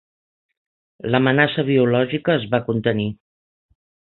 L'amenaça biològica es va contenir.